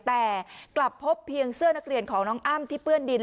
แต่กลับพบเพียงเสื้อนักเรียนของน้องอ้ำที่เปื้อนดิน